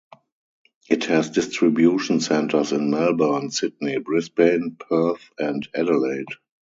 It has distribution centres in Melbourne, Sydney, Brisbane, Perth and Adelaide.